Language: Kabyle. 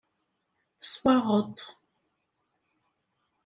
Teswaɣeḍ-t.